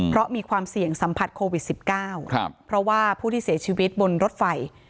เพราะมีความเสี่ยงสัมผัสโควิด๑๙เพราะว่าผู้ที่เสียชีวิตบนรถไฟ